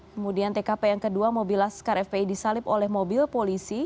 kemudian tkp yang kedua mobil laskar fpi disalip oleh mobil polisi